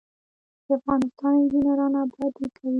د افغانستان انجنیران ابادي کوي